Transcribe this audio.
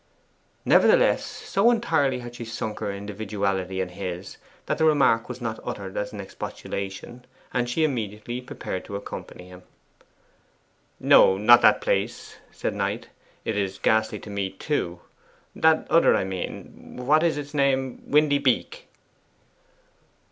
Nevertheless, so entirely had she sunk her individuality in his that the remark was not uttered as an expostulation, and she immediately prepared to accompany him. 'No, not that place,' said Knight. 'It is ghastly to me, too. That other, I mean; what is its name? Windy Beak.